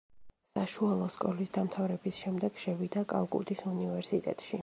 საშუალო სკოლის დამთავრების შემდეგ შევიდა კალკუტის უნივერსიტეტში.